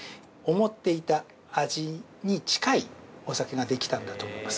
◆思っていた味に近いお酒ができたんだと思います。